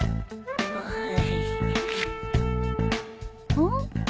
うん？